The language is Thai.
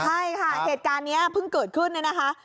ใช่ค่ะเหตุการณ์นี้เพิ่งเกิดขึ้นเนี่ยนะคะ